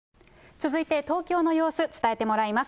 続いて、東京の様子、伝えてもらいます。